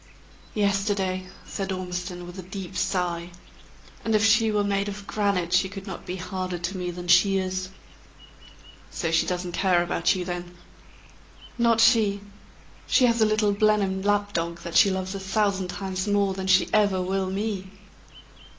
"Yesterday," said Ormiston, with a deep sigh. "And if she were made of granite, she could not be harder to me than she is!" "So she doesn't care about you, then?" "Not she! She has a little Blenheim lapdog, that she loves a thousand times more than she ever will me!"